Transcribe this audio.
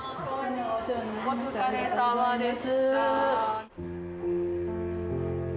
お疲れさまです。